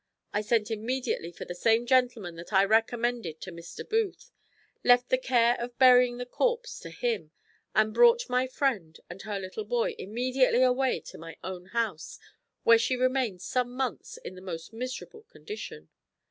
I sent immediately for the same gentleman that I recommended to Mr. Booth, left the care of burying the corpse to him, and brought my friend and her little boy immediately away to my own house, where she remained some months in the most miserable condition.